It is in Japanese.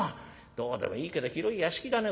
どうでもいいけど広い屋敷だね